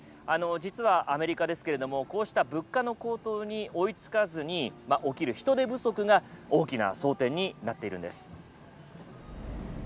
実はアメリカですけれどもこうした物価の高騰に追いつかずに起きる人手不足が大きな争点になっているんです。